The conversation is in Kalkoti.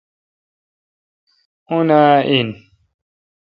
آں آ ۔این